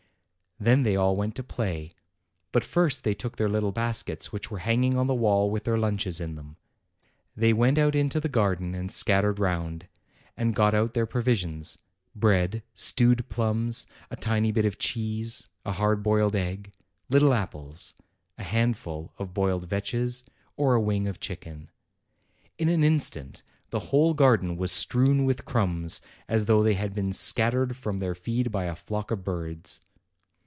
Then they all went to play; but first they took their little baskets, which were hanging on the wall with their lunches in them. They went out into the garden and scattered around and got out their provi sions, bread, stewed plums, a tiny bit of cheese, a hard boiled egg, little apples, a handful of boiled vetches, or a wing of chicken. In an instant the whole garden was strewn with crumbs, as though they had been scattered from their feed by a flock of birds.